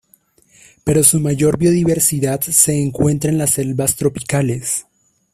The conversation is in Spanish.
Pero su mayor biodiversidad se encuentra en las selvas tropicales.